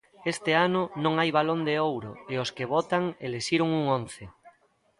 Este ano non hai Balón de Ouro e os que votan elixiron un once.